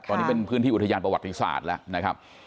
ตอนนี้เป็นพื้นที่อุทยานประวัติศาสตร์แล้วนะครับ